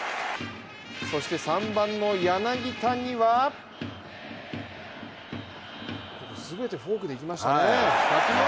そして３番の柳田にはすべてフォークでいきましたね。